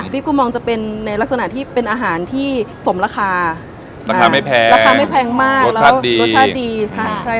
บิบกูมองจะเป็นในลักษณะที่เป็นอาหารที่สมราคาราคาไม่แพงรสชาติดี